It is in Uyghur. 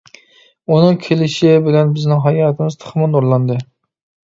ئۇنىڭ كېلىشى بىلەن بىزنىڭ ھاياتىمىز تېخىمۇ نۇرلاندى.